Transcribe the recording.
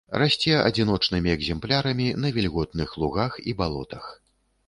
Расце адзіночнымі экземплярамі на вільготных лугах і балотах.